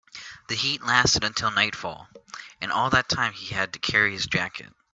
The heat lasted until nightfall, and all that time he had to carry his jacket.